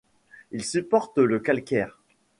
Il supporte le calcaire.